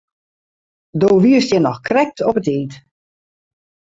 Do wiest hjir noch krekt op 'e tiid.